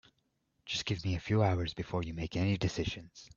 Just give me a few hours before you make any decisions.